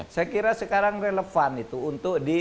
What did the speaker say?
saya kira sekarang relevan itu untuk di